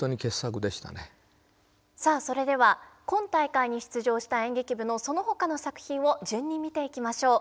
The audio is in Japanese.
さあそれでは今大会に出場した演劇部のそのほかの作品を順に見ていきましょう。